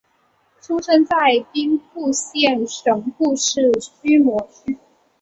出生在兵库县神户市须磨区。